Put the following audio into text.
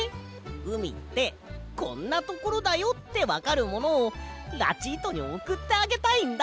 うみってこんなところだよってわかるものをラチートにおくってあげたいんだ。